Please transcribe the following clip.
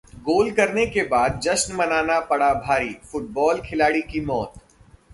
गोल करने के बाद जश्न मनाना पड़ा भारी, फुटबॉल खिलाड़ी की मौत